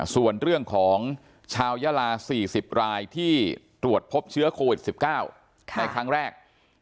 ส่วนเรื่องของชาวยาลา๔๐รายที่ตรวจพบเชื้อโควิด๑๙ในครั้งแรก